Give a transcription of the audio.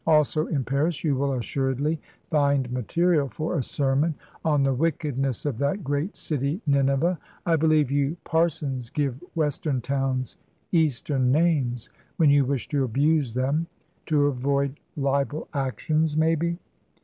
"Also, in Paris you will assuredly find material for a sermon on the wickedness of that great city Nineveh, I believe you parsons give Western towns Eastern names, when you wish to abuse them to avoid libel actions, maybe."